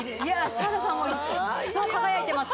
柴田さんも一層輝いてます。